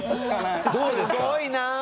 すごいな。